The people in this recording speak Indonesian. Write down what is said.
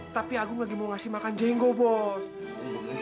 tapi agung lagi mau ngasih makan jenggo bos